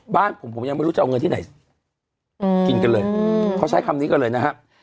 บ้านผมผมยังไม่รู้จะเอาเงินที่ไหนกินกันเลยเขาใช้คำนี้กันเลยนะครับ